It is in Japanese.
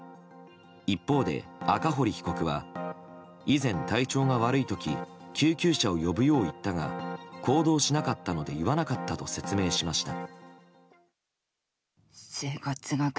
一方で、赤堀被告は以前、体調が悪い時救急車を呼ぶよう言ったが行動しなかったので言わなかったと説明しました。